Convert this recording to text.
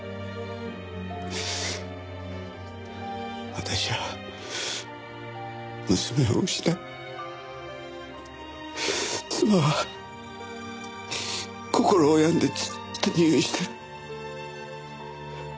私は娘を失い妻は心を病んでずっと入院してる。